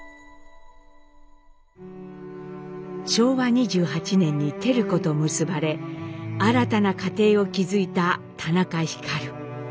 昭和２８年に照子と結ばれ新たな家庭を築いた田中皓。